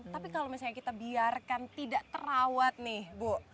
tapi kalau misalnya kita biarkan tidak terawat nih bu